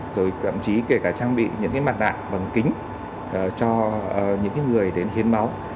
rồi cậm trí kể cả trang bị những mặt đạn bằng kính cho những người đến hiến máu